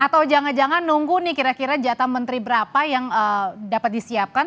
atau jangan jangan nunggu nih kira kira jatah menteri berapa yang dapat disiapkan